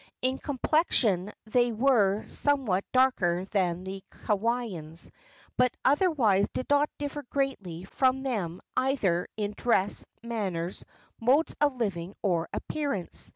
In complexion they were somewhat darker than the Kauaians, but otherwise did not differ greatly from them either in dress, manners, modes of living or appearance.